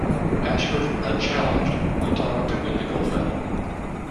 Ashford, unchallenged, went on to win the gold medal.